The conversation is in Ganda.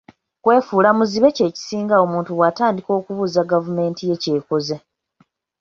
Kwefuula muzibe kyekisinga omuntu bwatandika okubuuza gavumenti ye ky'ekoze.